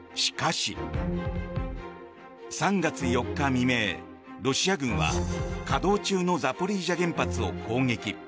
未明、ロシア軍は稼働中のザポリージャ原発を攻撃。